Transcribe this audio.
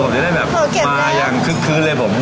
ผมจะได้มาอย่างขึ้นเลยผม